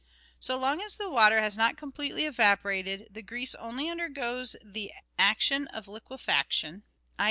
So long as the water has not com pletely evaporated, the grease only undergoes the action of liquefaction, i.